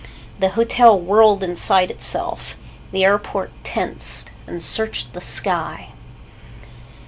The hotel whirred inside itself. The airport tensed and searched the sky.